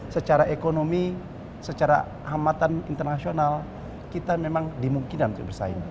secara ekonomi secara hamatan internasional kita memang dimungkinkan untuk bersaing